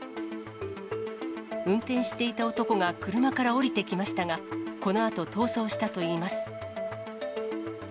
運転していた男が車から降りてきましたが、このあと逃走したといいます。